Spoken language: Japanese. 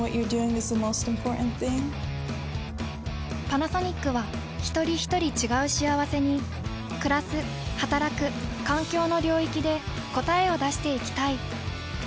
パナソニックはひとりひとり違う幸せにくらすはたらく環境の領域で答えを出していきたい。